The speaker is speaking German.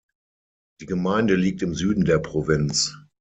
Die Gemeinde liegt im Süden der Provinz.